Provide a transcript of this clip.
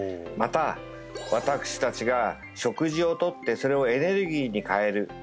また私達が食事を取ってそれをエネルギーに変える